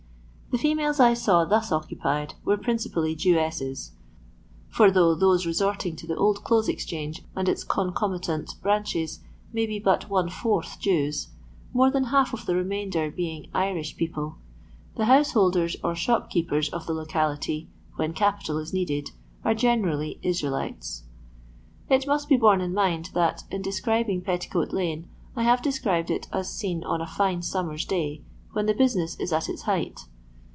The females I saw thus occupied were principally Jewesses, for though those re sorting to the Old Clothes Exchange and its con comitant branches may be but one fourth Jews, more than half of the remainder being Irish people, the householders or shopkeepers of the locality when capital is needed, are generally Israelites. It must be borne in mind that, in describing Petticoat lane, I have described it as seen on a fine summer's day, when the business is at its . height.